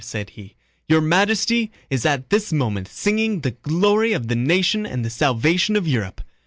said he, "Your Majesty is at this moment signing the glory of the nation and the salvation of Europe!"